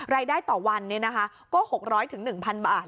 รายได้ต่อวันก็๖๐๐๑๐๐บาท